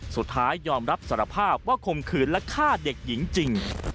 สุดท้ายยอมรับสารภาพว่าคมคืนและฆ่าเด็กหญิงจริง